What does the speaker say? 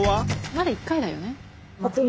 まだ１回だよね。